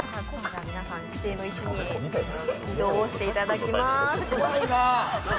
皆さん指定の位置に移動をしていただきます。